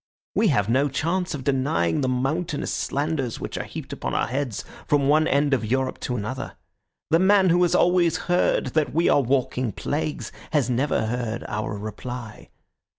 We have no chance of denying the mountainous slanders which are heaped upon our heads from one end of Europe to another. The man who has always heard that we are walking plagues has never heard our reply.